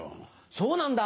そうなんだ。